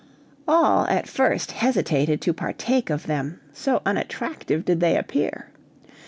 All at first hesitated to partake of them, so unattractive did they appear.